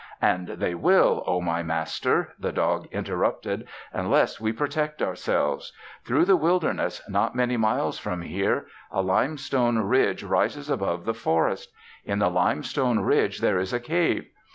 "And they will, oh, my master," the dog interrupted, "unless we protect ourselves. Through the wilderness, not many miles from here, a limestone ridge rises above the forest. In the limestone ridge there is a cave.